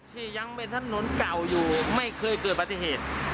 ที่ยังเป็นถนนเก่าอยู่ไม่เคยเกิดปฏิเหตุ